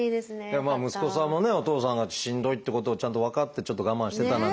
息子さんもねお父さんがしんどいってことをちゃんと分かってちょっと我慢してたなんていう。